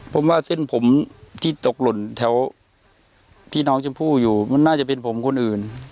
ผมว่าเส้นผมที่ตกหล่นแถวที่น้องชมพู่อยู่มันน่าจะเป็นผมคนอื่น